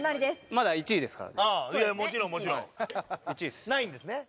まだ１位ですから。